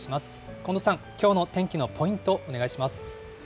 近藤さん、きょうの天気のポイント、お願いします。